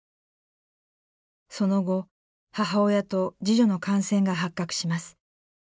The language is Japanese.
その後母親と次女の感染が発覚します。